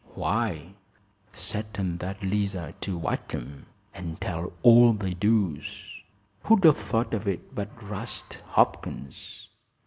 "Why, settin' that 'Liza to watch 'em, and tell all they does. Who'd a thought of it but 'Rast Hopkins?"